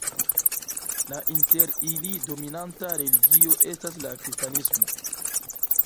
La inter ili dominanta religio estas la kristanismo.